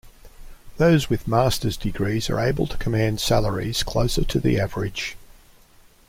Those with master's degrees are able to command salaries closer to the average.